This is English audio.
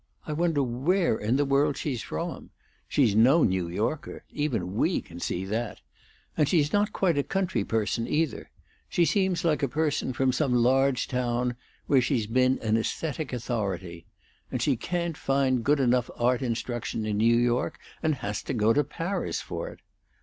I wonder where in the world she's from; she's no New Yorker; even we can see that; and she's not quite a country person, either; she seems like a person from some large town, where she's been an aesthetic authority. And she can't find good enough art instruction in New York, and has to go to Paris for it!